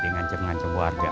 ini ngancam ngancam warga